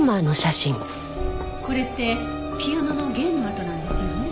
これってピアノの弦の跡なんですよね？